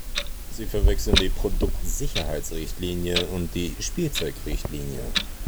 Sie verwechseln die Produktsicherheitsrichtlinie und die Spielzeugrichtlinie.